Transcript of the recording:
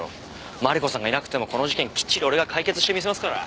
マリコさんがいなくてもこの事件きっちり俺が解決してみせますから！